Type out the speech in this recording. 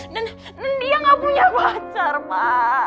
dan dan dia gak punya pacar pak